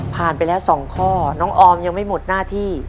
ผ่านไปแล้ว๒ข้อน้องออมยังไม่หมดหน้าที่